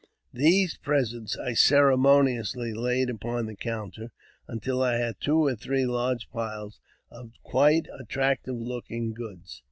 These presents I ceremoniously laid upon the counter, until I had two or three large piles of quite ^M attractive looking goods.